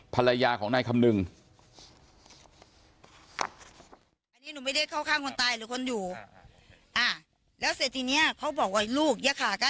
ภรรยาของนายคำนึง